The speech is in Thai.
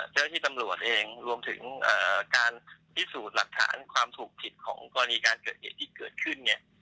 เจ้าหน้าที่ตำรวจเองรวมถึงการพิสูจน์หลักฐานความถูกผิดของกรณีการเกิดเหตุที่เกิดขึ้นเนี่ย